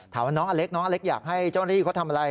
ถามว่าน้องอเล็กอยากให้เจ้าหน้าที่เขาทำอะไร